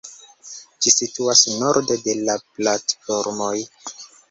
Ĝi situas norde de la platformoj.